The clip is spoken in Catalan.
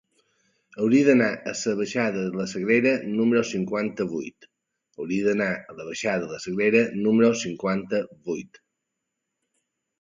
Hauria d'anar a la baixada de la Sagrera número cinquanta-vuit.